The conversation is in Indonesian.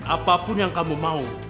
apapun yang kamu mau